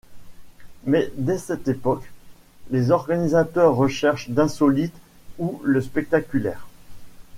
Mais dès cette époque, les organisateurs recherchent l'insolite ou le spectaculaire.